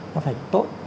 nó phải tốt